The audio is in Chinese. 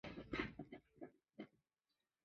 演讲是肖托夸活动的重要构成部分。